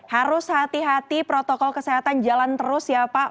harus hati hati protokol kesehatan jalan terus ya pak